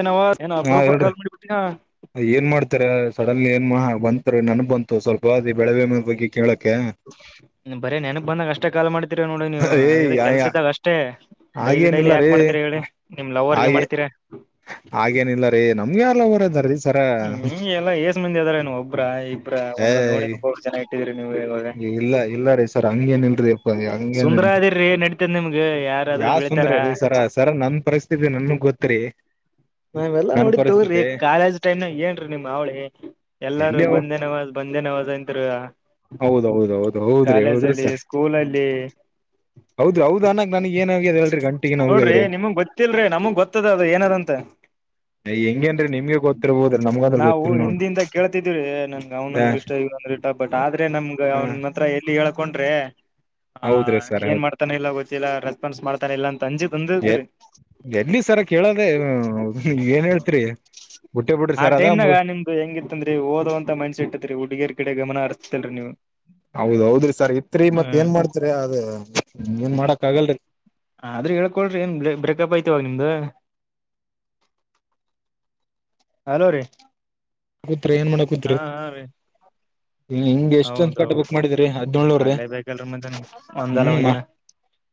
ಏನೋ ಏನೋ ಹಾ ಅಪರೂಪಕ್ ಹೇಳ್ರಿ ಕಾಲ್ ಮಾಡಿ ಬಿಟ್ಟಿಯಾ. ಏನ್ ಮಾಡ್ತೀರ ಸಡನ್ಲಿ ಏನ್ ಮಹ ಬಂತ್ರ್ ನೆನ್ಪ್ ಬನ್ ಯುಗಾದಿ ಬೆಳೆವಿಮೆ ಬಗ್ಗೆ ಕೇಳಕ್ಕೆ ಬರೇ ನೆನಪ್ ಬಂದಾಗ ಅಷ್ಟೇ ಕಾಲ್ ಮಾಡ್ತಿರ ನೋಡಿ ನೀವು ಏ ಅದ್ ಇದ್ ಕೆಲ್ಸ ಯ ಇದ್ದಾಗಷ್ಟೇ. ಡೈಲಿ ಡೈಲಿ ಹಾಗೇನಿಲ್ಲ ಯಾಕ ರೀ ಮಾಡ್ತೀರಿ ಹೇಳಿ ನಿಮ್ ಲವರ್ಗೆ ಹಾಗೆ ಮಾಡ್ತೀರ. ಹಾಗೇನಿಲ್ಲ ರೀ ನಮ್ಗೆ ಯಾರ ಲವರ್ ಅದರೀ ಸರ. ಎಲ್ಲಾ ಏಸ್ ಮಂದಿ ಅದಾರೇನು ಒಬ್ರ ಇಬ್ಬ್ರ ಒಂದೊಂದೂ ಓಣಿಗ್ ಒಬ್ಬೊಬ್ರ್ ಜನ ಇಟ್ಟಿದ್ರಿ. ನೀವು ಇವಾಗ ಇಲ್ಲ ಇಲ್ಲ ರೀ ಸರ್ ಹಂಗೇನ್ ಇಲ್ರಿ ಅಪ್ಪ ಹಂಗೇನ್ ಸುಂದರ ಇಲ್ರಿ. ಅದಿರ್ರಿ ನಡೀತದ ನಿಮ್ಗೆ ಯಾರಾದ್ರೂ ಯಾವ್ ಬೀಳ್ತಾರ ಸುಂದರಿ ರೀ ಸರ ಸರ ನನ್ ಪರಿಸ್ಥಿತಿ ನನ್ಗ್ ಗೊತ್ರಿ. ನಾವೆಲ್ಲಾ ನೋಡಿವ್ ತಗೋರಿ ಕಾಲೇಜ್ ಟೈಮ್ನಾಗ ಏನ್ರೀ ನಿಮ್ ಹಾವಳಿ ಎಲ್ಲಾರೂ ಎಲ್ಲಿ ಬಂದೇನವ ಬನ್ ನವಜ ಅಂತ್ರು ಹೌದೌದ ಹೌದು ಹೌದ್ರಿ ಹೌದ್ರಿ ಕಾಲೇಜಲ್ಲಿ ಸರ್ ಸ್ಕೂಲಲ್ಲಿ. ಹೌದ್ರಿ ಹೌದ ಅನಕ್ ನನಗ್ ಏನ್ ಆಗ್ಯದ ಹೇಳ್ರಿ ಗಂಟಿಗೆ ನೋವ್ ನೋಡ್ರಿ ಆಗ್ಯದ್ರಿ ನಿಮಗ್ ಗೊತ್ತಿಲ್ರಿ ನಮಗ್ ಗೊತ್ತದ ಅದು ಏನದಂತ. ಹೆಂಗೇನ್ರೀ ನಿಮ್ಗೆ ಗೊತ್ತಿರ್ಬೋದ್ರಿ ನಮ್ಗಂದ್ರ ನಾವು ಗೊತ್ತಿಲ್ ನೋಡ್ರಿ ಹಿಂದಿಂದ ಕೇಳ್ತಿದ್ವಿ ನನ್ಗೆ ಅವನಂದ್ರ್ ಇಷ್ಟ ನಂದ್ರೆ ಇಷ್ಟ ಬಟ್ ಆದ್ರೆ ನಮ್ಗ ಹಾ ಅವನ್ ಹತ್ರ ಎಲ್ಲಿ ಹೇಳ್ಕೊಂಡ್ರೆ ಹ ಹೌದ್ರಿ ಸರ್ ಏನ್ ಮಾಡ್ತಾನ ಇಲ್ಲ ಗೊತ್ತಿಲ್ಲಾ ರೆಸ್ಪಾನ್ಸ್ ಮಾಡ್ತಾನ ಇಲ್ಲ ಅಂತ ಅಂಜಿ ಹೌದ್ ಬಂದತ್ರಿ. ಎಲ್ಲಿ ಸರ್ ಕೇಳೋದೆ ಏನ್ ಹೇಳ್ತ್ರಿ. ಆ ಟೈಮ್ನಾಗ ನಿಮ್ದ ಹೆಂಗಿತ್ತಂದ್ರಿ ಓದೋ ಅಂತ ಮೈಂಡ್ಸೆಟ್ ಇತ್ರಿ ಹುಡುಗಿಯರ್ಗ್ ಕಡೆ ಗಮನ ಹರ್ಸ್ತಿಲ್ರಿ ನೀವು. ಹೌದೌದ್ರಿ ಸರ್ ಇತ್ರಿ ಮತ್ ಹ್ಮ್ ಏನ್ ಮಾಡ್ತ್ರಿ ಅದು ಏನ್ ಮಾಡಕ್ ಆಗಲ್ರಿ. ಹ ಆದ್ರೆ ಹೇಳ್ಕೊಳ್ರಿ ಏನ್ ಬ್ರೆ ಬ್ರೇಕಪ್ ಐತಿವಾಗ ನಿಮ್ದು. ಹಲೋ ರೀ ಕುತ್ರಿ ಏನ್ ಮಾಡಕ್ ಹಾ ಕುತ್ರೀ ಹಾ ರೀ ಹಿಂಗ್ ಎಷ್ಟೊಂತ ಪಟ ಬುಕ್ ಹೌದೌದು ಮಾಡಿದ್ರಿ ಹದ್ನೋಳ್ರಿ ಆಗ್ಲೇಬೇಕಲ್ರಿ ಮತ್ತೆ ಒಂದಲ್ಲ ಹ್ಮ್ ಮ ಒಂದಿನ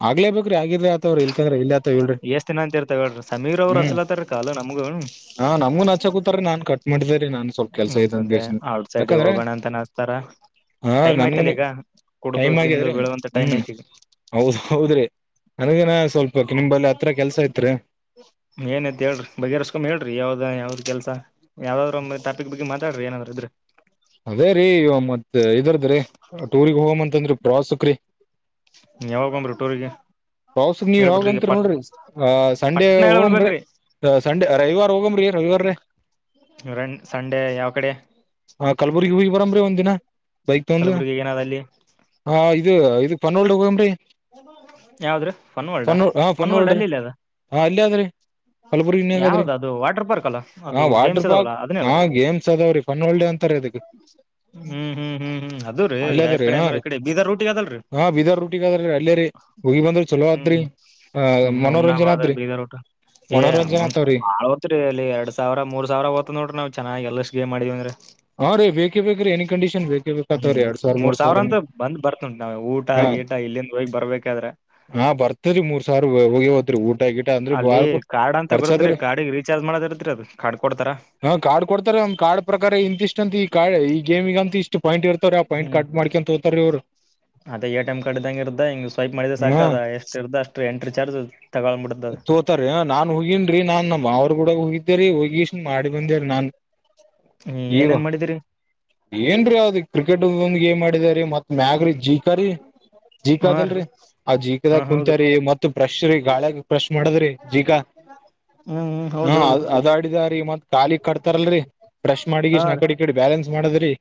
ಆಗ್ಲೇಬೇಕ್ರಿ ಆಗಿದ್ರಿ ಆತವ್ರಿ ಇಲ್ಕಂದ್ರ ಇಲ್ಲ ಆತವ್ ಇಡ್ರಿ ಎಷ್ಟ್ ದಿನ ಅಂತ ಇರ್ತಾವ ಹೇಳ್ರಿ ಸಮೀರ್ ಅವ್ರು ಹ್ಮ್ ಹಚ್ಲತ್ತಾರ ಕಾಲು ನಮ್ಗು ಹಾ ನಮ್ಗು ನಾಚೊ ಕೂತಾರ ನಾನ್ ಕಟ್ ಮಾಡ್ದ ರೀ ನಾನ್ ಸ್ವಲ್ಪ್ ಕೆಲ್ಸ ಐತೆಂತ ಬೆಸ್ ನ ಯಾಕಂದ್ರೆ ತನಸ್ತಾರ ಹಾ ಟೈಮ್ ಆಯ್ತಲೇ ನನ್ಗುನು ಈಗ ಕುಡ್ದು ಟೈಮ್ ತಿಂದು ಆಗ್ಯದ್ರಿ ಬೀಳುವಂತ ಟೈಮ್ ಹ್ಮ್ ಆಯ್ತ್ ಈಗ ನನಗೇನ ಸ್ವಲ್ಪ ಕಿಂಬಲ್ಲಿ ಹತ್ರ ಕೆಲ್ಸ ಐತ್ರಿ. ಏನಿತ್ ಹೇಳ್ರಿ ಬಗೇ ಹರ್ಸ್ಕೊಮ ಹೇಳ್ರಿ ಯಾವ್ಗ ಯಾವ್ದ್ ಕೆಲ್ಸ ಯಾವ್ದಾದ್ರು ಒಮ್ಮೆ ಟಾಪಿಕ್ ಬಗ್ಗೆ ಮಾತಾಡ್ರಿ ಏನಾದ್ರು ಇದ್ರೆ. ಅದೇ ರೀ ಇವ ಮತ್ ಇದ್ರುದ್ರಿ ಟೂರಿಗ್ ಹೋಮ್ ಅಂತಂದ್ರಿ ಪ್ರವಾಸಕ್ರಿ. ಯಾವಾಗೊಂಬ್ರಿ ಟೂರಿಗೆ. ಪ್ರವಾಸಕ್ ನೀವ್ ಹೇಳ್ಬಿಟ್ರಿ ಈಗ ಯಾವಾಗಂತ್ರ್ ಪಟ್ ನೋಡ್ರಿ ಆ ಸಂಡೇ ಪಟ್ನ ಹೋಮ್ರಿ ಹೇಳ್ಬಿಡ್ಬೇಕ್ರಿ ಸಂಡೆ ರವಿವಾರ ಹೋಗಮ್ರಿ ರವಿವಾ ರ ಸಂಡೇ ಯಾವ್ಕಡೆ. ಕಲಬುರ್ಗಿ ಹೋಗಿ ಬರಮ್ರಿ ಒಂದ್ ದಿನ ಬೈಕ್ ತಗೊಂದು ಅಲ್ಲಿ ಹಾ ಇದು ಇದು ಪನೋಲ್ಡ್ ಹೋಗಂಬ್ರಿ. ಯಾವ್ದ್ರಿ ಫನ್ ವರ್ಲ್ಡ್ ಆ ಫನ್ ವರ್ಲ್ಡ್ ಅಲ್ ಎಲ್ಲದ, ಅಲ್ಯಾದ್ರಿ ಕಲಬುರ್ಗಿ ನ್ಯಾಗ್ ಆದ್ರಿ ವಾಟರ್ ಪಾರ್ಕ್ ಅಲ್ಲ ಹ ಅದು ವಾಟರ್ ಗೇಮ್ಸ್ ಪಾರ್ಕ್ ಇದಾವಲ್ಲ ಹ ಅದನ್ನೆಲ್ಲ ಗೇಮ್ಸ್ ಅದಾವ್ರಿ ಫನ್ ವರ್ಲ್ಡೇ ತರ ಇದುಕ್ಕೆ ಹ್ಮ್ ಹ್ಮ್ ಹ್ಮ್ ಹ್ಮ್ ಅದು ರೀ ಯಾವ ಅಲ್ಲದ್ರೀ ಕಡೆ ಹಾ ಅಂದ್ರ ರೀ ಈ ಕಡೆ ಬೀದರ್ ರೂಟಿಗೆ ಅದಲ್ರರಿ ಹಾ ಬಿದರ್ ರೊಟಿಗದರಿ ಅಲ್ಯ ರೀ ಬಂದ್ರ ಚಲೋ ಹ್ಮ್ ಆದ್ರಿ ಆ ಮನೋರಂಜನ ಉಮ್ನಾಬಾದ ಆದ್ರಿ. ಬೀದರ್ ಏ ಮನೋರಂಜನೆ ಅಮೌಂಟ್ ಆತವ್ರಿ ಬಾಳ್ ಓತ್ರಿ ಅಲ್ಲಿ ಎರಡ್ ಸಾವಿರ ಮೂರ್ ಸಾವಿರ ಓತದ್ ನೋಡ್ರಿ ನಾವ್ ಚೆನ್ನಾಗ್ ಎಲ್ಲಸ್ ಗೇಮ್ ಆಡೀವ್ ಅಂದ್ರೆ ಹಾ ರೀ ಬೇಕೇ ಬೇಕ್ರಿ ಎನಿ ಕಂಡೀಷನ್ ಬೇಕೇ ಹ್ಮ್ ಬೇಕಕ್ತವ್ರೀ ಎರಡ್ ಮೂರ್ ಸಾವಿರ ಅಂತ ಬಂದ್ ಬರ್ತಂತ್ ನಾವ್ ಊಟ ಹಾ ಗೀಟ ಇಲ್ಲಿಂದ ಹೋಯ್ ಬರ್ಬೇಕಾದ್ರೆ. ಹಾ ಬರ್ತರಿ ಮೂರ್ ಸಾವ್ರ್ ಹೋಗೆ ಹೊತ್ರಿ ಊಟ ಗಿಟ ಅಂದ್ರೆ ಅಲ್ಲಿ ಬಾಳ್ ಕಾರ್ಡ್ ಅಂತ ಬರುತ್ರಿ ಕರ್ಚದ್ರಿ. ಕಾರ್ಡಿಗೆ [unintelligible] ಕಾರ್ಡ್ ಕೊಡ್ತರ. ಹಾ ಕಾರ್ಡ್ ಕೊಡ್ತಾರ ಒಂದ್ ಕಾರ್ಡ್ ಪ್ರಕಾರ ಇನ್ ತಿಷ್ಟ ಅಂತ ಈ ಕ ಈ ಗೇಮಿಗಂತ್ ಇಷ್ಟ ಪಾಯಿಂಟ್ ಇರ್ತಾವ್ರಿ ಆ ಪಾಯಿಂಟ್ ಹ್ಮ್ ಕಟ್ ಮಾಡ್ಕೊಂತ ಹೋತಾರಿ ಅವ್ರು. ಅದೇ ಎ ಟಿ ಎಂ ಕಾರ್ಡ್ ಇದ್ದಂಗ್ ಇರ್ದ ಹಿಂಗ ಸ್ವೈಪ್ ಮಾಡಿದ್ರೆ ಸಾಕ ಹಾ ಅದ ಎಷ್ಟ ಇರ್ದ ಅಷ್ಟು ಎಂಟ್ರಿ ಚಾರ್ಜ್ ತಗೊಬಿಡ್ತದ ಅದ ತೋತಾರ ನಾನ್ ಹೋಗಗಿನ್ೀ ನಾನ್ ನಮ್ಮ ಅವ್ರ ಕೂಡ ಹೋಗಿದಿ ರಿೀ ಹೋಗಿಷ್ಟ ಮಾಡಿ ಬಂದಾರ ನಾನ್. ಹ್ಮ್ ಈಗ ಏನೇನ್ ಮಾಡಿದಿರಿ ಏನ್ರೀ ಯಾವ್ದಿ ಕ್ರಿಕೆಟ್ಂದ ಏನ್ ಮಾಡಿದಾರ ಮತ್ತ ಮ ಆಗ ರೀ ಜೀಕ ರೀ ಹಾ ರೀ ಜೀಕದಲ್ರರಿ ಆ ಹಾ ಜೀಕದಾಗ ಹೌದ್ರಿ ಕುಂತಾರೀ ಮತ್ ಬ್ರೆಶ್್ರ ಗಾಳಿಯಾಗ ಬ್ರಶ್ ಮಾಡದ್ರಿ ಜೀಗ ಹ್ಮ್ ಹ್ಮ್ ಹಾ ಅದ್ ಹೌದೌದ್ರಿ ಅದ ಆಡಿದಾರೀ ಮತ್ ಖಾಲಿ ಕಟ್ತಾರಲ್ರರಿ ಬ್ರಶ್ ಮಾಡಿ ಹಾ ನ ರೀ ಕಡ ಕಡಿ ಬ್ಯಾಲೆನ್ ಮಾಡದ್ರಿ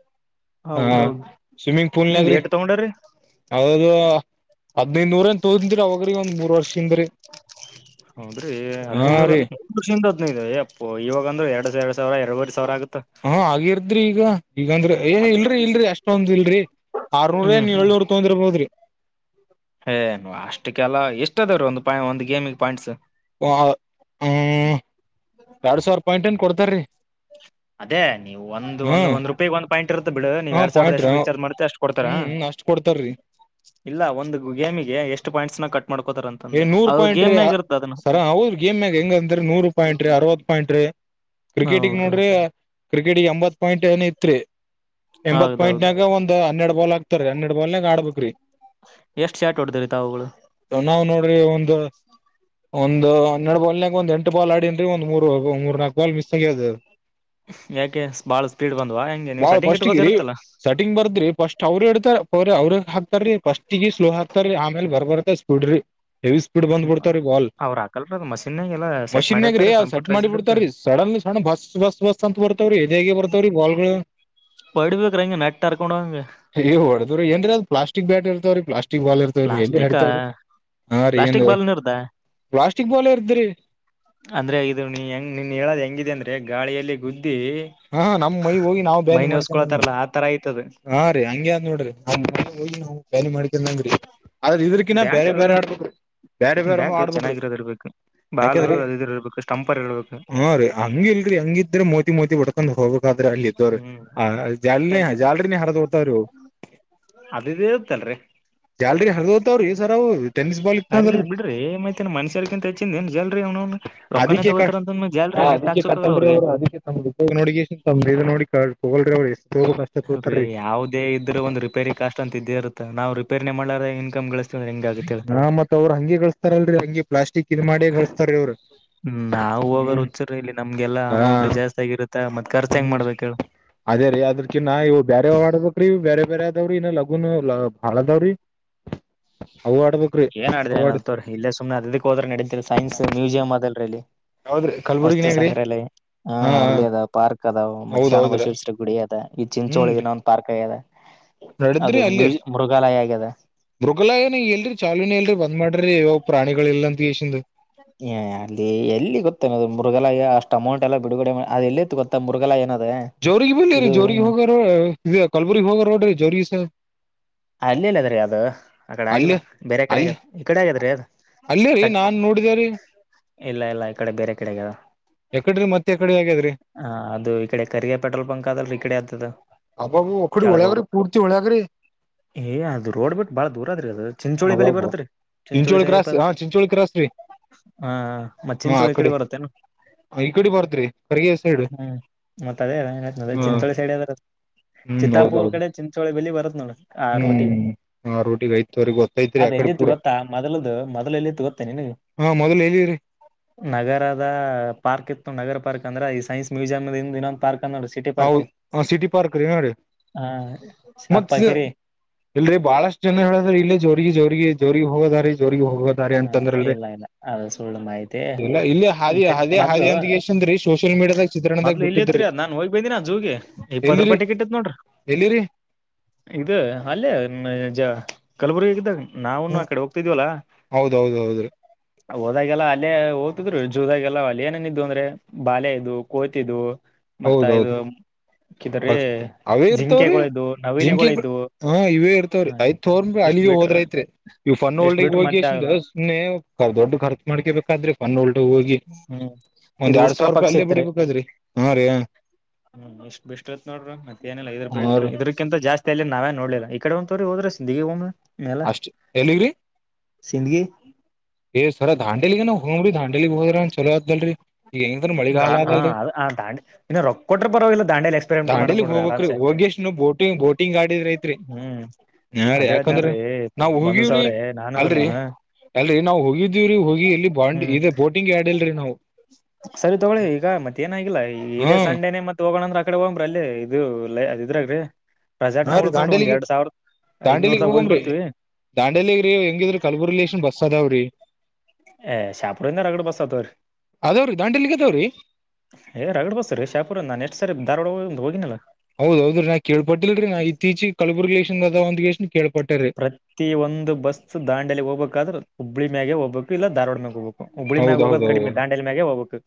ಹಾ ಹೌದೌದು ಸ್ವಿಮ್ಮಿಂಗ್ ನಿಮ್ದ್ ಪೂಲ್ನಾಗ್ರಿ ಏಟ್ ತಗೊಂಡಾರಿ ಯದು ಹದ್ನೈದು ನೂರನ್ ತೋಿದಿ್ರ ಅವ್ರಿ ಒಂದ ಮೂರ್ ವರ್ಷ ಇಿಂದ್ರೀ ಹೌದ್ರಿ ಹದ್ಿನೈನೂರ ಅಪ್ಪ ಇವಾಗ ಅ್ರ ಎರಡು ಎರ ಸಾವಿರ ಎರವ ಸಾವರ ಆೆ ಹಾ ಹಾಗಗರ್ದ್ರಿ ಈಗ ಈಗಂದ್ರ ಏನ್ ಅದ ಇಲ್ರಿ ಇಲ್ರಿ ಅಷ್ಟೊಂದ ಇಲ್ರಿ ಆರ್ನೂರೇ ಹ್ಮ್ ನೀನ್ ಏಳ್ನೂರ್ ತೊೊಂಡಿರ್ಬೋದ್ರಿ ಹೇ ಅಷ್ಟಕ್ಕೆಲ್ಲ ಇಷ್ಟ ಅದವ್ರೀ ಒಂದು ಪಾಯ ಒಂದಂದು ಗೇಮಿಗೆ ಪಾಯಿಂಟ್ಸ್ ಹ್ಮ್ ಎರಡ್ ಸಾವಿರ ಪಾಯಿಂಟ್ ಏನ್ ಕೊಡ್ತಾರೀ ಅದೇ ನೀವು ಒಂದ ಒಂದು ಹ್ಮ್ ಒಂದ್ ರೂಪಾಯಗ್ ಒಂದ ಇಟ್ಟಿರ್ತ್ತ ಬಿಡು ನೀವು ಹಾ ಎರಡ್ ಸಾವಿರದ ಪಾಯಿಂಟ್ ಎಷ್ಟು ರೀಚಾರ್ಜ್ ಮಾಡ್ತ ಅಷ್ಟ್ ಕೊಡ್ತಾರಾ ಹ್ಮ್ ಅಷ್ಟ್ ಕೊಡ್ತಾರೀ ಇಲ್ಲ ಒಂದು ಗೇಮಿಗೆ ಎಷ್ಟು ಪಾಯಿಂಟ್ಸ್ ನ ಕಟ್ ಮಾಡ್ಕೋತಾರ ಏ ಅಂತಂದ ನೂರ್ ಅದು ಪಾಯಿಂಟ್ ರೀ ಗೇಮ್ ಮ್ಯಾಗ ಇರುತ್ತ ಅದನ್ನ ಸರ ಅವೌದ ಗೇಮ್್ಯಾಗ ಹೆಂಗಂದ್ರರಿ ನೂರು ಪಾಯಿಂಟ್ ರೀ ಅರವತ್ ಪಾಯಿಂಟ್ ರೀ ಕ್ರಿಕೆಟಗ್ ಹೌದೌದು ನೋಡ್ರಿ ಕ್ರಿಕೆಟಗ ಎಂಬತ್ ಪಾಯಿಂಟ್ ಏನ ಇತ್ರಿ ಎಂಬತ್ ಹೌದೌದು ಪಾಯಿಂಟ್ನಾಗ ಒಂದ ಹನ್ನೆರಡ್ ಬಾಲ್ ಆಾತರಿ ಹನ್ನೆರಡ್ ಬಾಲ್ನಾಗ ಆಡ್ಬಬೇಕಕ್ರೀ ಎಷ್ಟು ಚಾಟ್ ಹೊಡತ ರ ತಾವುಗಳು. ನಾವವು್ ನೋಡ್ರಿ ಒಂದು ಒಂದು್ ಹನ್ನೆರಡು ಬಾಲ್ನಾಗ ಒಂದ ಎಂಟು ಬಾಲ್ ಆಡನ್ ಒಂದ್ ಮೂರು ಮೂರ್ ನಕಕ್ ಬಾಲ್ ಮಿಸ್ ಆಗ್ಯದದು ಯಾಕೆ ಸ್- ಬಾಳ ಸ್ಪೀಡ್ ಬಂದ್ವಾ ಹೆಂಗೆ ನೀವು ಬಾಳ ಸೆಟ್ಟಿಂಗ್ ಸ್ಟ್ಗಿ್ರೀ ಇಟ್ಕೋದಿರುತ್ತಲ್ಲ ಸೆಟಿಂಗ್ ಬರ್ದ್ರಿ ಫಸ್ಟ್ ಅವರು ಹೇಳ್ತಾರ ಅವ್ರಗ್ ಹಾಕ್ತಾರೀ ಫಸ್ಟ್ಗ ಸ್ಲೋ ಹಾಕ್ತಾರೀ ಆಮೇಲೆ ಬರ್ಬರ್ತ್ತ ಸ್ಪೀಡ್್ರೀ ಹೆವಿ ಸ್ಪೀಡ್ ಬಂದ್ಬಿಡ್ತಾರೀ ವಾಲ್ ಅವ್ರು ಹಾಕಲ್ರ ಅದು ಮಷೀನ್ಗೆಲ್ಲ ಸೆಟ್ ಮಷಿನ್ಾಗ ರೀ ಮಾಡಿರ್ತಾರೆ ಸೆಟ್ ಮಾಡಿ ಕಂಪ್ಯೂಟರೈಸ್ಡ್ ಇರುತ್ತೆ ಬಿಿಡ್ತಾರೀ ಸಡನ್ಲಿ ಸಣ್ಣ ಬಸ್ ಬಸ್ ಬಸ್ ಅಂತ ಬರ್ತವ್ರೀ ಇದ ಹೇಗೆ ಬರ್ತಾವ್ರಿ ಬಾಲ್ಗಳು ಹೊಡಿಬೇಕ್ರ ಹಂಗೆ ನೆಟ್ ಹರ್ಕೊಂಡ್ ಹಂಗ ಏ ಹೊಡದ್ರರಿ ಏನ್ರೀ ಅದು ಪ್ಲಾಸ್ಟಿಕ್ ಬ್ಯಾಟ್ ಇರ್ತಾವ್ರೀ ಪ್ಲಾಸ್ಟಿಕ್ ಬಲ್ ಇರ್ತ ಎಲ್ಲಿ ಪ್ಲಾಸ್ಟಿಕ್ ಹತವ ಹಾ ರೀ ಏನ್ ಪ್ಲಾಸ್ಟಿಕ್ ಬಾಲ್ನ ಇರ್ದ ಪ್ಲಾಸ್ಟಿಕ್ ಬಲ್ ಅಂದ್ರೆ ಇದು ನೀ ಹೆಂಗ್ ನೀನ್ ಹೇಳದ್ ಹೆಂಗಿದೆ ಅಂದ್ರೆ ಗಾಳಿಯಲ್ಲಿ ಗುಜ್ಜು ಹಾ ನಮ್ ಮೈ ಹೋಗಿ ನಾವವು ಬ್ಯಾನ ಮಾಡ್ತಂದ ನೋಸ್ಕೊಳತಾರಲ್ಲ ಆ ತರ ಆಯ್ತದ ಹಾ ರೀ ಹಂಗಗೆ್ ನೋಡ್ರಿ ನ ಹೋಗಿ ನಾವು ಗಾಲಿ ಮಾಡ್ಕೊಂಡಂಗ್ರಿ ಆದದ್ರ ಇದ್ರಕಿನ ಬೇರೆ ಬ್ಯಾಟು ಬೇರೆ ಆಡ್ಬೇಕೇ್ರಿ ಬೇರೆ ಬೇರೆ ಬ್ಯಾಟು ಆಡ್ಬೇಕ್ರಿ ಚೆನ್ನಾಗಿರೋದ್ ಇರ್ಬೇಕು ಬಾಲು ಯಾಕಂದ್ರೆ ಅದಿದ್ರ ಇರ್ಬೇಕು ಸ್ಟಂಪರ್ ಇರ್ಬೇಕು ಹಾ ರೀ ಹಂಗ ಇಲ್ರಿ ಹೆಂಗಿದ್ರೆ ಮೋತಿ ಮೋತಿ ಬ ಹ್ಮ್ ಜಾಲನೆ ಜಾಲ್ರಿನೇ ಹರಿದ ಹೋಗ್ತಾವ್ರಿ ಅವು ಅದ ಇತ್ತಲ್ಲ ರಿ ಜಾಲ್ರಿ ಹರಿದ ಹೋಗ್ತಾವ್ರಿ ಸರ್ ಅವು ಟೆನ್ನಿಸ್ ಬಾಲ್ ಅರಿಲಿ ಇತ್ತಂದ್ರ ಬಿಡ್ರಿ ಏ್ಐ್ತೇನ ಮನ್ಷ್ಯರ್ಕಿಂತ ಹೆಚ್ಚನ್ ಏನ್ ಜಲ್ರಿ ಅವನು ರೊಕ್ಕಾನೆ ಅದಕ್ಕೆ ಕ ತಗೋತಾರ ಅಂತಂದಲ್ರಿೀ ಟ್ಯಾಕ್ಸ್ ಹಕಾಗಲ್ಲ ಅವ್ರಿಗೆ ಇದು ನೋಡಿ ಕಲ್್ರ ಅವ ೀ ಯಾವವುದೇ ಇದ್ರ ಒಂದು ರಿಪೇರಿ ಕಾಸ್ಟ್ ಅಂತ ಇದೇ ಇರುತ್ತೆ ನಾವವು ರಿಪೇರಿನೇ ಮಾಡ್ಲಾರ ಇನ್ಕಮ್ ಿಸ ಹಾ ಮತ್ ಅವರು ಹಂಗೆ ಗಳಿಸಸ್ತಾರಲ್ರರಿ ಹಂಗಿ ಪ್ಲಾಸ್ಟಿಕ್ ಇದ್ ಮಾಡಿ ಗಳಸ್ತಾರೀ ಅವ್ರು ನಾವವು ಹೋಗೋರ್ ಹ್ಮ್ ಹುಚ್ಚರ ಇಲ್ಲಿ ನಮ್ಗೆಲ್ಲಾ ಅಮೌಂಟ್ ಜಾಸ್ತಿ ಆಗಿರುತ್ತ ಮತ್ತೆ ಹ್ಮ ಅದೇ ರೀ ಅದ್ರಕಿನ್ನ ಇವು ಬೇರೆ್ ಮಾಡಬೇಕ್ರೀ ಬೇರೆ ಬೇರೆ ರಿ ಲಘು ನ ಭಳ ದಾವರಿ ಏನ್ ಆಡಿದ್ರಿ ನ ಅ ತ ಇಲ್ಲೇ ಸುಮ್ಮನೆ ಅದಕ್ ಹೋದ್ರೆ ನಡೀತಿೀರಿ ಸೈನ್ಸ್ ಮ್ಯೂಸಿಯಂ್ ಅದಲ್ರರಿ ಇಲ್ಲಿ ಯಾವದ್ರಿ ವಸ್ತು ಕಲ್ಬುರ್ಗಿನ್ಯಾಗ್ರಿ ಸಂಗ್ರಹಾಲಯ ಹ ಹಾ ಅಲ್ಲಿ ಅದ ಪಾರ್ಕ್ ಕದ ಮ್ಣ ವ ಹೌದೌದ್ರಿ ಗುಡಿ ಅದದೆ ಈ ಚಿಚೋಳಿ ಹ್ಮ್ ರೀ ದಿನ ಒಂದ ಪಾರ್ಕ್ ಇದೆ ಅದು ನಡದ್ರಿ ಅಲ್ಲಿ ಮ್ಯ ಮೃಗಾಲಯ ಆಗದ ಮೃಗಲಾಯನ ಎಲ್ರಿ ಚಾೂನೆಿ ಎಲ್ರಿ ಬಂದ್ ಮಾಡ್ರಿ ಯ್ ಪ್ರಾಣಿಗಳ ಇಲ್ಲ ಅಂತ ಎಸಿಂದ ಏ ಅಲ್ಲಿ ಎಲ್ಲಿ ಗೊತ್ತೇನೆದು ಮುೃಗಾಲಯ ಅಷ್ಟ್ ಅಮೌಂಟ್ ಎಲ್ಲಾ ಬಿಡುಗಡೆ ಅದ ಎಲ್ಲ ಗೊತ್ತ ಮುೃಗಾಲ ಏನಾದ ಜೋರಿಗೆ ಬನ್ನಿ ರೀ ಜೋರಿಗೆ ಹೋಗಾರ ಇದ ಕಲ್ಬುರಗ ಹೋಗ ನೋಡ್ರಿ ಜೋರಿಗೆಸ ಅಲ್ಲ ಇಲ್ಲ ಅದ್ರೀ ಅದು ಆ ಕಡೆ ಆಗಿಲ್ಲ ಅಲ್ಲೇ ಬೇರೆ ಕಡೆ ಆಗ್ಯ ಅಲ್ಲಿ ಈ ಕಡೆ ಆಗ್ಯಾದ್ರೀ ಅದು ಅಲ್ಲೇ ರೀ ನಾನ್ ನೋಡಿದ ರೀ ಇಲ್ಲ ಇಲ್ಲ ಈ ಕಡೆ ಬೇರೆ ಕಡೆಗೆ ಹ ಯಕಡ್ರಿ ಮತ್ತೆ ಯಕಡೆ ಆಗ್ಯದ್ರಿ ಅದು ಈಡೆ ಕಖರ್ಗೆ ಪೆಟ್ರೋಲ್ ಪಂಕ್ ಆದದಲ್ರಿ ಇಕಡೆ ಆತದ ಹಬ್ಬಬ ಒಕಡಿಿ ಕೆಳಗ ಹೋಗ ಓಳಾಕರಿ ಪೂರ್ತಿ ಓಳಾ ಕರಿ ಏ ಅದದು ರೋಡ್ ಬಿಟ್ಟು ಬಾಳ ದೂರ ಆದ್ರಿ ಅದ ಚಿಂಚೋಳಿ ಬಲಿ ಅಬ್ಬಬ್ಬ ಬರದ್ರಿ ಚಿಂಚೋಳಿ ಕ್ರಾಸ್ ಸಮೀಪದ ಹಾ ಚಿಂಚೋಳಿ ಕ್ರಾಸ್ ರೀ ಹಾ ಮತ್ತ ಹಾ ಆ ಚಿಂಚೋಳಿ ಈ ಕಡೆ ಬರುತ್ತೇನಾ ಈ ಕಡೆ ಬರ್ತ್ರಿ ಕರ್ಗೆ ಸೈಡ್ ಹ್ಮ್ ಮತ್ತ ಅದೇ ಏನ್ತ ಹ ಚಿಂಂತೋಳಿ ಸೈಡ್ ಅ ಹ್ಮ್ ಚಿತ್ತಾಪೂರ್ ಹೌದೌದು ಕಡೆ ಚಿಂಚೋಳಿ ಬಳಿ ಬರತ್ತತ್ ನೋಡ ಆ ರೋಟಿ ಹ್ಮ್ ಹ ರೋಟಿ ಅದ ಎಲ್ಲಿತ್ತು ಗೊತ್ತಾ ಮೊದಲ್ದ ಮೊದ್ ಎಲ್ಲಿತ್ತು ಗೊತ್ತೇ ನಿನಗೆ ಹಾ ಮೊದಲ್ ಎಲ್ಲಿರಿ ನಗರದ ಪಾರ್ಕ್ ಇತ್ತು ನಗರ ಪಾರ್ಕ್ ಅಂದ್ರೆ ಈ ಸೈನ್ಸ್ ಮ್ಯೂಸಿಯಂ ಇನ್ನೊಂದು ಪಾರ್ಕ್ ಸಟಿ ಪಾರ್ಕ್ ಹೌದ್ ಸಿಟಿ ಪಾರ್ಕ್ ರೀ ನೋಡಿ ಹ ಅಪ್ಪಾ ಕರಿ ಇಲ್ರೀ ಬಾಳಷ್ಟು ಜನ ಹೇಳದ್ರ ಇಲ್ಲಿ ಜೋರಿಗೆ ಜೋರಿಗೆ ಜೋರಿಗೆ ಹೋಗೋದಾರಿ ಜೋರಿಗೆ ಹೋಗ ಹೋಗೋದಾರಿ ಹ ಅಂತಂದ್ರಲ್ ಇಲ್ಲ ಇಲ್ಲ ಅದು ಸುಳ್ಳು ಮಾಹಿತಿ ಇಲ್ಲ ಇಲ್ಲಿ ಈ ಹಾದಿ ಕಡೆ ಹಾದೇ ಹಾದಿ ಮೊದ್ಲು ಅಂತ ಎಷ್ಟ ಅಂದ ಶೋ ಸೋಷಿಯಲ್ ಮೀಡಿಯಾದಾಗ ಚಿತ್ರಣದಾಗ ಮೊದ್ಲು ಇಲ್ಲಿ ಇತ್ರಿ ಬಿಟ್ಟಿದ್ರಿ ಅದ್ ನಾನ್ ಹೋಗಿ ಬಂದಿನ ಜೂಗೆ ಇಪ್ಪತ್ ಎಲ್ಲಿರಿ ರೂಪಾಯಿ ಟಿಕೆಟ್ ಇತ್ ನೋಡ್ರಿ ಎಲ್ಲಿರಿ ಇದು ಅಲ್ಲೇಜ ಕಲ್ಬುರ್ಗಿ ಹಗಿದ್ದಾಗ ನಾವನು ಆ ಕಡೆ ಹೋಗ್ತಿದವಲ್ಲಾ ಹೌದೌದು್ರ ಹೋದಾಗೆಲ್ಲ ಅಲ್ಲೇ ಓ್ತಿದ್ರು ಜದಾಗೆಲ್ಲ ಅಲ್ಲಿ ಏನೇನ ಇದಿದ್ದು ಅಂದ್ರೆ ಬಾಯ ಇದು ಕೋತು ಮತ್ತ ಇದು ಹೌದೌದು ಕ್ರೀ ಅವೇ ಜಿಂಕೆ ಇರ್ತವ್ರಿ ಇದಿದವು ಜಿಂಕಿ ನವಿಲಿಗಳುಿದವು ಹಾ ಇವೇ ಇರ್ತವ್ರೀ ಯ್ತ್ ತೋ್ರಿ ಅಲ್ಲಿಗ ಬಿಟ್ರ ಹೋದ್ರ ಐತ್ರಿ ಇವ ಎಷ್ಟ್ ಫನ್ೋಲ್ಡಗ್ ಬಿಟ್ರ ಹೋಗಿ ಮತ್ತೆ ಆಗಲ್ಲ ಅಷ್ಟ ನೀ ದೊಡ್ ಖರ್ಚ ಮಾಡಕೇಬೇಕಾದ್ರೆಫ ಹೋಗಿ ಹ್ಮ್ ಒಂದ್ ಇದು ಎರಡ್ ಉಷ್ಟ್ರ ಸಾವಿರ ರೂಪಾಯಿ ಅಲ್ಲೇ ಬಿಡಿಬೇಕಾದ್ರಿ ಹಾ ರೀ ಹ್ಮ ಎಷ್ಟ್ ಬಿಟ್ಟಿತ್ ನೋಡ್ರ ಮತ್ತೇಏನಿಲ್ಲಲ್ಲ ಇದ್ರ ಬಿ ಹಾ ರೀ ಇದ್ರಕ್ಕಿಂತ ಜಾಸ್ ಅಲ್ಲಿ ನಾವೇ ನೋಡ್ಲಿಲ್ಲ ಈ ಕಡೆ ಒಂತವರಿ ಹೋದ್ರೆ ಗ ಬ ಮಲ್ಲ ಅಷ್ಟ್ ಎಲ್ಲಿಗ್ರಿ ಸಿಂದಗಿ ಏ್ರ ದಾಂಡೇಲಿ ಏ ಹೋಗ್ರರಿ ದಾಂಡೇಲಿಗ್ ಹೋದ್ರ ಚಲೋದ್ದಲ್ರಿ ದ ಹಾ ದಾಂಡಿ ಇನ್ನು ರೊಕ್ಕ ಕೊಟ್ರೆ ಬರವಾಗಿಲ್ಲ ದಾಂಡಿಯಲಿ ಎಕ್ಸ್ಪೆರಿಮೆಂಟ್ ಮಾಡಕ್ ನೋಡ್ರಿ ಆರ್ಸೆ ಹೋಗ್ಯಷ್ಟ ನ ಬೋಟಿಂಗ್ ಬೋಟಿಂಗ್ ಆಡಿದ್ರ ಐತ್ರಿ ಹ್ಮ್ ಹಾ ರೀ ಅದೇ ಯಾಕಂದ್ರ ಹೇಳ್ದ್ನಲ್ರಿ ನಾವವು ಬಂದು ಹೋಗಿವವ್ರಿ ಸಾವಿರ ಅಲ್ರರಿ ನಾನಾದ್ರೂನು ಅಲ್ರರಿ ನಾವವು ಹೋಗಿದ್ದೀವ್ರೀ ಹೋಗಿ ಇಲ್ಲಿ ಬಾಂಡ್ ಹ್ಮ್ ಇೇ ಬೋಟಿಂಗ್ ಆಡಿಲ್ರರಿ ನಾವು ಸರಿ ತಗೊಳ್ಳಿ ಈಗ ಮತ್ತೆ ಏನಾಗಿಿಲ್ಲ ಹಾ ಇದೇ ಸಂಡೇನೆ ಮತ್ತತ್ ಹೋಗೋಣಂದ್ರ ಕಡೆ ಹೋಗಂಬ್ರಿ ಅಲ್ಲಿ ಇದು ಲೈ ಇದ್ರಾಗ್ರೀ ರಜಾಟನ ಉಳ್ಕಂಬ್ರಿ ಒಂದ ಎರಡ್ ಸಾವಿರ ದಾಂಡೆಲಿಗ್ ಹೋಗಮ್ರೀ ದಾಂಡೆಲಿಗ್್ರೀ ಹೆಂಗಿದ್ರ ಕಲ್ಬುರ್ ಲೇಶನ್ ಬಸ್ ಅದಾವ್ರೀ ಹ ಶಾಪುರ ಇಂದರ ಕಡೆ ಬಸತ ಅದಾವ್ರಿ ದಾಂಡೇಲಿಗ್ ಅದಾವ್ರಿ ಏ ರಗಡ್ ಬಸ್ತ ರೀ ಶಾಪುರ ನಾನು ಎಷ್ಟು ಸರಿ ಧಾರ್ವಾಡ ಹೋಗಿನನಿಲ್ಲ ಹೌದೌದ್ರೀ ನಾ ಕೇಳ್ಪಟ್ಟಿಲ್ರರಿ ನಾ ಇತ್ತೀಚ ಕಬುರ್ಗ ಲೇಶನ್ದ ಒ್ೇಶ ಕೇಳ್ಪಟ್ಟಿ ಪ್ರತಿ ಒಂದು ಬಸ್ ದಾಂಡಲಿ ಹೋಗ್ಬೇಕಾದ್ರೆ ಹುಬ್ಳಿ ಮ್ಯಾಗೆ ಹೋಗ್ಬೇಕು ಇಲ್ಲ ಧಾರವಾಡ ಮ್ಯಾಗ ಹೋಗ್ಬೇಕು ಹುಬ್ಳಿ ಮ್ಯಾಗ ಹೋಗೋದ್ ಹೌದೌದೌದು ಕಡಿಮೆ ದಾಂಡೇಲಿ ಮ್ಯಾಗೆ ಹೋಗ್ಬೇಕು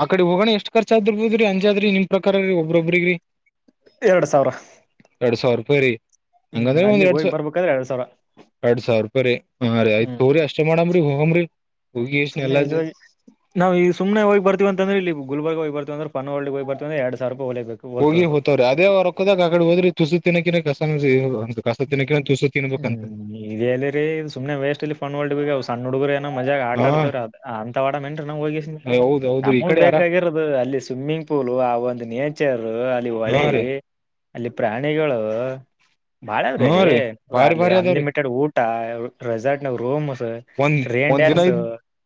ಆ ಕಡೆ ಹೋಗೋಣ ಎಷ್ಟ್ ಖರ್ಚ ಆದರ್ಬೋದ್ರಿ ಅಂಜಾದ್ರಿ ನಿಮ ಪ್ರಕಾರ ರೀ ಒಬ್ರೊಬ್ರಗ್ರೀ ಎರಡ್ ಸಾವಿರ ಎರಡ್ ಸಾವಿರ ರೂಪಾಯಿ ರೀ ಹ್ಮ್ ಹಂಗಂದ್ರೆ ಒಂದ್ ಅಲ್ಲಿ ಎರಡ್ ಹೋಗ್ ಸಾವ ಬರ್ಬೇಕಾದ್ರೆ ಎರಡ್ ಸಾವಿರ ಎರಡ್ ಸಾವಿರ ರೂಪಾಯಿ ರ ಹಾ ರರಿ ಆಯ್ತ ಹ್ಮ್ ತೋ್ರಿ ಅಷ್ಟ ಮಾಡಾಮ್ರಿ ಹೋಗಮ್ರಿ ಹೋಗಿ ಎಷ್ಟ ಸುಮ್ನೆ ಎಲ್ಲಾ ಇಲ್ಲಿೋಗ ನಾವ ಈಗ ಸು್ನೆ ಹೋಗ್ ಬರ್ತತಿ ಅಂದ್ರ ಇಲ್ಲಿ ಈ ಗುಬರ್ಗ ಹೋಗಿ ಬರ್ತೀವಿ ಅ್ರ ಪನ್ಳ್ಳಿಗೆ ಹ್ರ್ತಂದ್ರ ಎಡು ಸಾವಿ ಹೋಗಿ ಹೋತವ್ರೀ ಅದೇ ಹೊರಕ್ಕೋದಾಗ ಆ ಕಡೆ ಹೋದ್ರಿ ತುಸು ತಿನಕಿನ ಕಸ ಕಸ ತಿನ್ನಕಿನ ತುಸು ತಿನ್ಬೇಕಂತ ಹ್ಮ್ ಇದಲ್ಲಿರಿ ಸುಮ್ನೆ ವೇಸ್ಟ್ ಇಲ್ಲಿ ಫನ್ ವಲ್ಡ್ ಸಣ್ಣ ಹುಡುಗರ ನ ಮಜಾಗ ಆಟ ಹಾ ಆಡ್ತೇವ್ರ ಅಂತವಾಡೇನ್ರಿ ನಾ್ ಹೋಗಿಸ ಹೌದ್ ಹೌದ್ರಿ ಈ ನಮಗ್ ಕಡೆ ಯಾರ ಬೇಕಾಗಿರೋದು ಅಲ್ಲಿ ಸ್ವಿಮ್ಮಿಂಗ್ ಪೂಲು ಆ ಒಂದು ನೇಚರ್ ಅಲ್ಲಿ ಹೊಳೆ ಹಾ ರೀ ಅಲ್ಲಿ ಪ್ರಾಣಿಗಳು ಬಾಳ ಅವ್ರೀ ಹಾ ಅಲ್ಲಿ ರೀ ಬಾರಿ ಅಲ್ಲಿ ಬಾರಿ ಅದಾವ್ರಿ ಅನ್ಲಿಮಿಟೆಡ್ ಊಟ ರೆಸಾರ್ಟ್ ನ ರೂಮ್ಸ್ ಒಂದ್ ರೈನ್ ಒಂದ್ ದಿನ ಡ್ಯಾನ್ಸ್ ಇದ್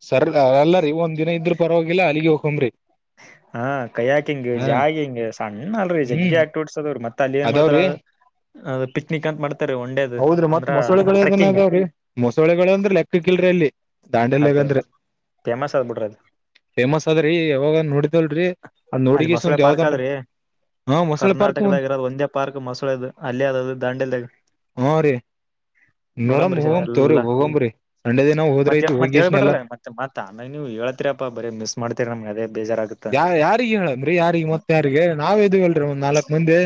ಸರ್ ಅಲ್ಲರೀ ಒಂದ್ ದಿನ ಇದ್ರ ಪರವಾಗಿಲ್ಲ ಅಲ್ಲಿಗೆ ಹಕಂಬ್ರಿ ಹಾ ಕೈ್ಯಾಾಕ ಹಿಂಗಗೆ ಜಾಗ ಹಿಂಗ ಸಣ್ಣ ಅಲ್ೀ ಜಗ್ಗೆ ಹ್ಮ್ ಆಕ್ಟ ಹೊಡ್ಸದವ್ರೀ ಮತ್ತೆ ತಲ್ಲಿ ಏನ್ ಮಾಡ್ತಾರ ಅದಾವ್ರಿ ಅ ಪಿಕ್ನಿಕ್ ಅಂತ ಮಾಡ್ ಹೌದ್ರಿ ಮತ್ ಮೊಸಳೆಗಳುದನದಾವ್ರೀ ಮೊಸಳೆಗಳು ಅಂದ್ರೆ ಲೆಕ್ಕಕ್ಕಿಲ್ರರಿ ಅಲ್ಲಿ ಅದು ದಾಂಡೆಲ್ಗಂದ್ರೆ ಫೇಮಸ್ ಅದ ಬಿಟ್ರ ಅದು ಫೇಮಸ್ ಅದ್ರೀ ಯಾವಾಗ ನೋಡಿದಲ್ರರಿ ಅದ ಅಲ್ಲಿ ಮೊಸಳೆ ನೋಡಿಗಷ್ಟುಂದ ಪಾರ್ಕ್ ಯಾವ್ದನ್ರೀ ಆದ್ರಿ ಕರ್ನಾಟಕದಾಗ ಇರೋದು ಒಂದೇ ಪಾರ್ಕ್ ಮೊಸಳೆ ಇದು ಅಲ್ಲೇ ಅದದು ದಾಂಡೆಲ್ದಾಗ ಹ್ಮ್ ರೀ ನೋಡಂಬ್ರಿ ನೋಡಮ ಸರ್ ಹೋಗಮ ತೋರಿ ಎಲ್ಲಾ ಹೋಗಂಬ್ರಿ ಸಂಡೆ ದಿನ ನಾವ್ ಹೋದ್ರಯ್ತು ಹೋಗೀಷ್ಟನೆ ಎಲ್ಲಾ ಹೇತೀರಪ್ಪಾ ಬರಿ ಮ್ ಮಾಡತೀರಿಮ್ಗೆ ಯ ಯಾರಿಗ ಹೇಳನ್ರಿ ಯಾರಿಗ ಮತ್ತ ಯಾರಿಗೆ ನಾವ್ ಇದ ಅಲ್ರಿ ಒಂದ್ ನಾಲ್ಕ್ ಮಂದಿ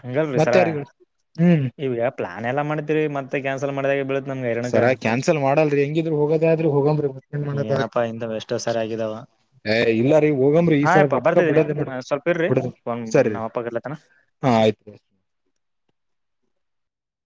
ಹಂಗಲ್ರರಿ ಮತ್ತ ಸರ ಯಾರಿಗ್ ಹ್ಮ್ ಇವಗ ಪ್ಲಾನ್ ಎಲ್ಲ ಮಾಡತಿರಿ ಮತ್ತೆ ಕ್ಯಾನ್ಸಲ್ ಮಾಡಿದಾಗ ಬೀಳ ಸರ ಕ್ಯಾನ್ಸಲ್ ಮಾಡಲ್ರಿ ಹೆಂಗಿದ್ರರು ಹೋಗದ ಆದ್ರೂ ಹೋಗರಿ ಮ ಏನ್ ಮಾಡದ ಏನಪ್ಪಾ ಇಂತವ್ ಎಷ್ಟೋ ಸರಿ ಆಗಿದಾವ ಹ ಇಲ ಹೋಗ್ರಿ ಈ ಸಲ ಹಾಯಪ್ಪಾ ಪಕ್ಕ ಬರ್ತಿದ್ದೀನಿ ಬಿಡದಡ ಸ್ವಲ್ಪ ಇರ್ರಿ ಬಿಡ ಒಂದ್ ಸರಿ ನಮ್ಮಪ್ಪ ಕರಿಲತನ ಆಯ್ತು